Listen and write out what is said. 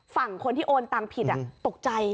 ฝั่งคนที่โอนตังค์ผิดตกใจ